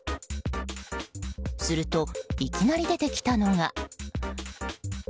すると、いきなり出てきたのが。